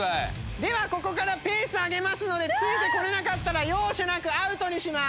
ではここからペース上げますのでついてこられなかったら容赦なくアウトにします。